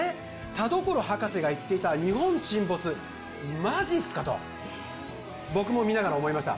田所博士が言っていた日本沈没」「マジすか？」と僕も見ながら思いました